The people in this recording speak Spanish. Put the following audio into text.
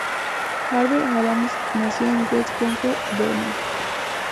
Herbert Adams nació en West Concord, Vermont.